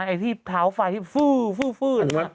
ไอ้ที่เท้าไฟที่ฟืด